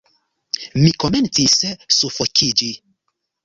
Mi komencis sufokiĝi.